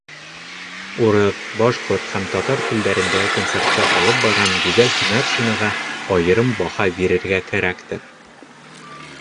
Урыҫ, башҡорт һәм татар телдәрендәге концертты алып барған Гүзәл Һөнәршинаға айырым баһа бирергә кәрәктер.